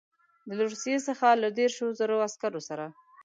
له روسیې څخه له دېرشو زرو عسکرو سره.